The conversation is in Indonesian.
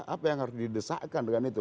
apa yang harus didesakkan dengan itu